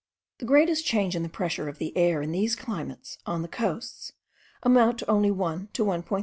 The greatest changes in the pressure of the air in these climates, on the coasts, amount only to 1 to 1.